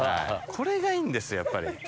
これがいいんですやっぱり。